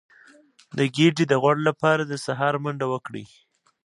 د ګیډې د غوړ لپاره د سهار منډه وکړئ